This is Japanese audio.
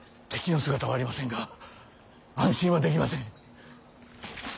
敵の姿はありませんが安心はできません。